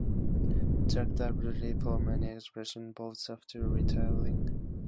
Jack Dempsey fought many exhibition bouts after retiring.